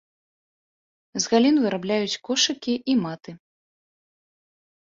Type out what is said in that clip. З галін вырабляюць кошыкі і маты.